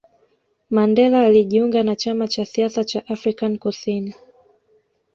mandela alijiunga na chama cha siasa chaaAfrican kusini